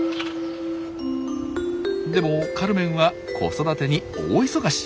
でもカルメンは子育てに大忙し。